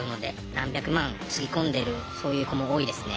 何百万つぎ込んでるそういう子も多いですね。